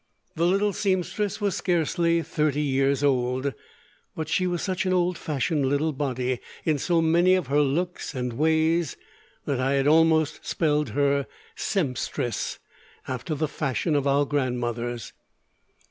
The little seamstress was scarcely thirty years old, but she was such an old fashioned little body in so many of her looks and ways that I had almost spelled her "sempstress," after the fashion of our grandmothers.